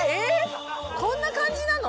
こんな感じなの？